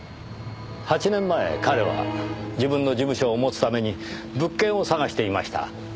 ８年前彼は自分の事務所を持つために物件を探していました。